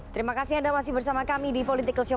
terima kasih anda masih bersama kami di politik lestari